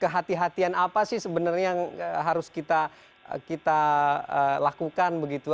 kehati hatian apa sih sebenernya yang harus kita lakukan begitu